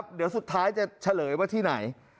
เดี๋ยวสุดท้ายจะเฉลยว่าที่ไหน